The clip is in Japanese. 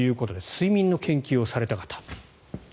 睡眠の研究をされた方。